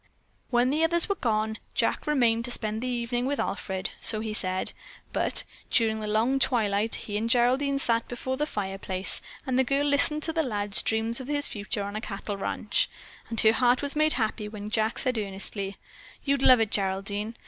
When the others were gone, Jack remained to spend the evening with Alfred, so he said, but during the long twilight he and Geraldine sat before the fireplace and the girl listened to the lad's dreams of his future on a cattle ranch, and her heart was made happy when Jack said earnestly, "You'd love it, Geraldine.